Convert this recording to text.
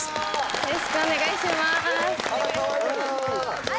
よろしくお願いします。